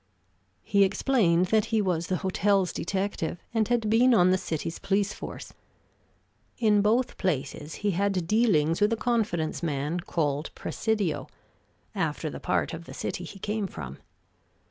He explained that he was the hotel's detective, and had been on the city's police force. In both places he had dealings with a confidence man, called Presidio after the part of the city he came from.